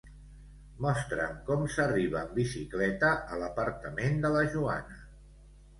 Mostra'm com s'arriba en bicicleta a l'apartament de la Joana.